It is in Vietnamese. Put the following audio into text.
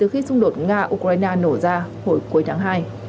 khi xung đột nga ukraine nổ ra hồi cuối tháng hai